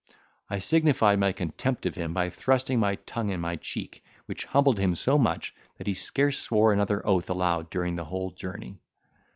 I signified my contempt of him, by thrusting my tongue in my cheek, which humbled him so much, that he scarce swore another oath aloud during the whole journey.